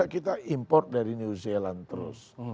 kita import dari new zealand terus